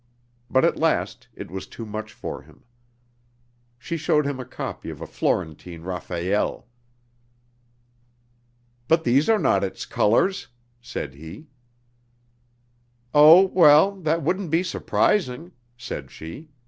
But at last it was too much for him. She showed him a copy of a Florentine Raphael. "But these are not its colors!" said he. "Oh, well, that wouldn't be surprising," said she.